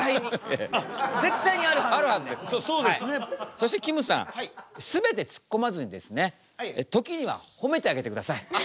そしてきむさん全てツッコまずにですね時にはほめてあげてください。